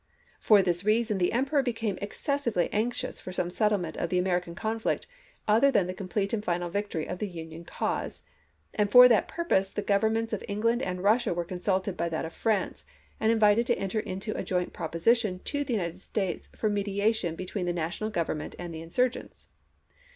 For this reason the Emperor became excessively anx ious for some settlement of the American conflict other than the complete and final victory of the Union cause; and for that purpose the govern ments of England and Eussia were consulted by that of France, and invited to enter into a joint proposition to the United States for mediation between the National Grovernment and the insur gents.